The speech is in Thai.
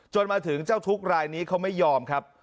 มาถึงเจ้าทุกข์รายนี้เขาไม่ยอมครับ